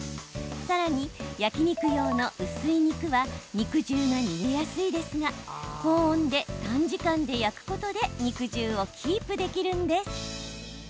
さらに、焼き肉用の薄い肉は肉汁が逃げやすいですが高温で短時間で焼くことで肉汁をキープできるんです。